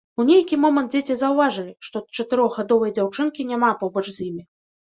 У нейкі момант дзеці заўважылі, што чатырохгадовай дзяўчынкі няма побач з імі.